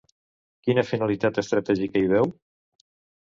Quina finalitat estratègica hi veu?